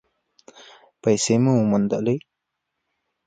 پیسې مو وموندلې؟